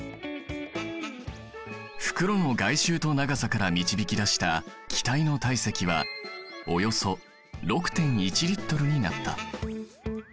袋の外周と長さから導き出した気体の体積はおよそ６．１Ｌになった。